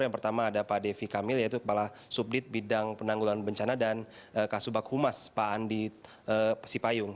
yang pertama ada pak devi kamil yaitu kepala subdit bidang penanggulan bencana dan kasubag humas pak andi sipayung